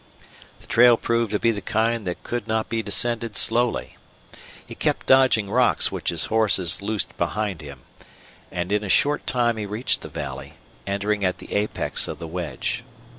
The trail proved to be the kind that could not be descended slowly. He kept dodging rocks which his horses loosed behind him. And in a short time he reached the valley, entering at the apex of the wedge.